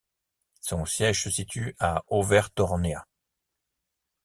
Son siège se situe à Övertorneå.